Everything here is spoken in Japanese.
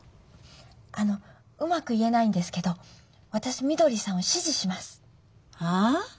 あのうまく言えないんですけど私みどりさんを支持します。はあ？